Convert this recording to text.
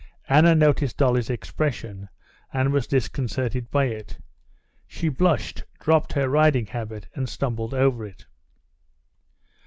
Anna noticed Dolly's expression, and was disconcerted by it. She blushed, dropped her riding habit, and stumbled over it.